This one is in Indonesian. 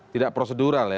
tidak prosedural ya